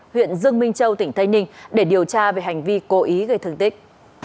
huyện dương minh châu tỉnh tây ninh để điều tra về hành vi cố ý gây thương tích